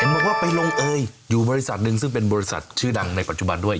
บอกว่าไปลงเอยอยู่บริษัทหนึ่งซึ่งเป็นบริษัทชื่อดังในปัจจุบันด้วย